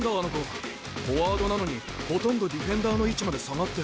フォワードなのにほとんどディフェンダーの位置まで下がって。